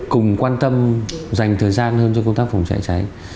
cùng quan tâm dành thời gian hơn cho công tác phòng cháy cháy